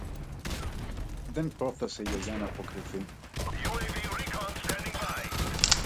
Δεν πρόφθασε η Γιαγιά ν' αποκριθεί